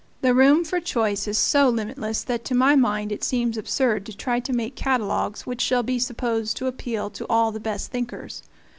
The room for choice is so limitless that to my mind it seems absurd to try to make catalogues which shall be supposed to appeal to all the best thinkers.